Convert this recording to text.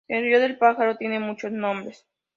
El río del Pájaro tiene muchos nombres.